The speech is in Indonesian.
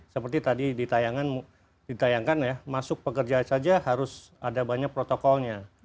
seperti tadi ditayangkan ya masuk pekerja saja harus ada banyak protokolnya